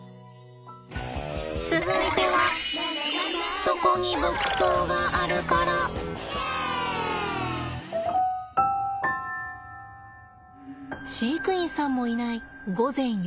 続いては飼育員さんもいない午前４時です。